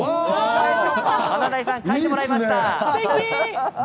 華大さん描いてもらいました。